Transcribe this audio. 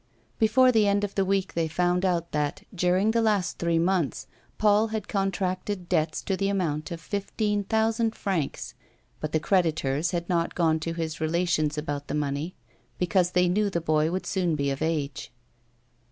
Before the end of the week they found out that, during the last three months, Paul had contracted debts to the amount of fifteen thousand francs, but the creditors had not gone to his relations about the money, because they knew the boy would soon be of age.